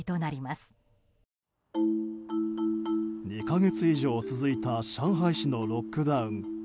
２か月以上続いた上海市のロックダウン。